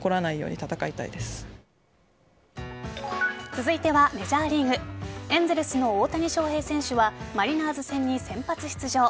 続いてはメジャーリーグエンゼルスの大谷翔平選手はマリナーズ戦に先発出場。